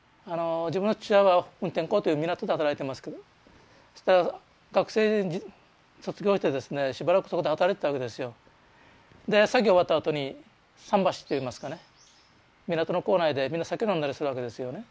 自分の父親は運天港という港で働いてますけど学生卒業してですねしばらくそこで働いてたわけですよ。で作業終わったあとに桟橋っていいますかね港の構内でみんな酒飲んだりするわけですよね。